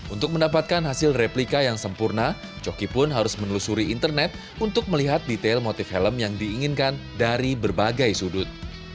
untuk mendapatkan hasil replika yang sempurna coki pun harus menelusuri internet untuk melihat detail motif helm yang diinginkan dari berbagai sudut